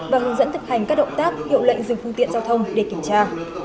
và hướng dẫn thực hành các động tác hiệu lệnh dừng phương tiện giao thông để kiểm tra